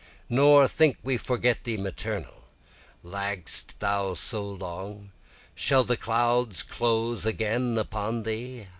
Nor think we forget thee maternal; Lag'd'st thou so long? shall the clouds close again upon thee?